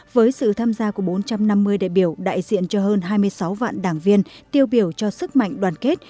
với sự tham gia của bốn trăm năm mươi đại biểu đại diện cho hơn hai mươi sáu vạn đảng viên tiêu biểu cho sức mạnh đoàn kết